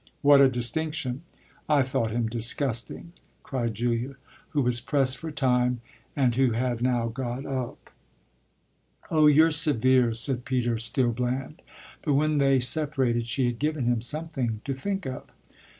"What a distinction! I thought him disgusting!" cried Julia, who was pressed for time and who had now got up. "Oh you're severe," said Peter, still bland; but when they separated she had given him something to think of.